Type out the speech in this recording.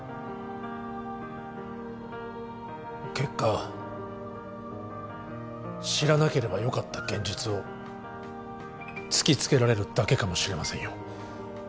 結果知らなければよかった現実を突きつけられるだけかもしれませんよ